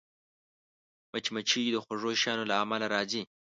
مچمچۍ د خوږو شیانو له امله راځي